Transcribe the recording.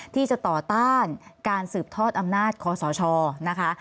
ที่จะต่อต้านการสืบทอดอำนาจคอสชนะคะ